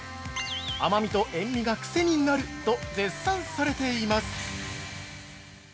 甘みと塩味がクセになる！と絶賛されています。